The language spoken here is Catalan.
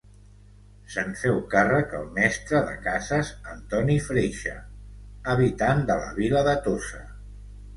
Se'n féu càrrec el mestre de cases Antoni Freixe, habitant de la vila de Tossa.